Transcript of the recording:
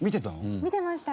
見てました。